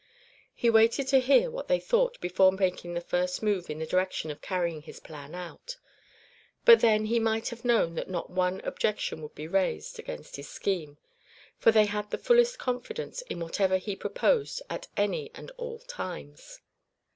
He waited to hear what they thought before making the first move in the direction of carrying his plan out. But then he might have known that not one objection would be raised against his scheme, for they had the fullest confidence in whatever he proposed at any and all times.